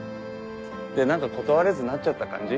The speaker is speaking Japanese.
で何か断れずなっちゃった感じ。